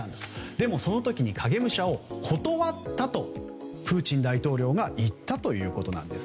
でもその時に影武者を断ったとプーチン大統領が言ったということなんです。